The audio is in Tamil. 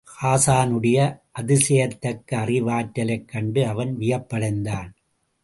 ஹாஸானுடைய அதிசயிக்கத்தக்க அறிவாற்றலைக் கண்டு அவன் வியப்படைந்தான்.